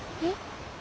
えっ？